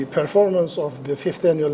bergantung pada kehargian saya